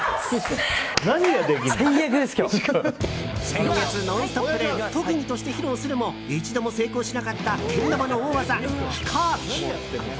先月、「ノンストップ！」で特技として披露するも一度も成功しなかったけん玉の大技、飛行機。